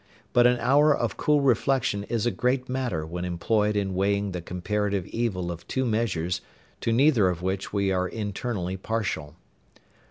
But an hour of cool reflection is a great matter when employed in weighing the comparative evil of two measures to neither of which we are internally partial.